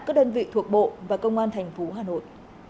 các đơn vị thuộc bộ và công an thành phố hà nội